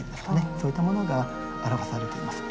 そういったものが表されています。